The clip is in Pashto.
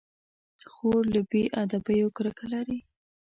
خور له بې ادبيو کرکه لري.